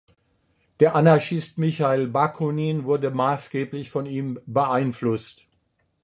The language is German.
Der Anarchist Michail Bakunin wurde maßgeblich von ihm beeinflusst.